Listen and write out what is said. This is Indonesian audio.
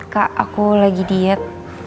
kak aku lagi diet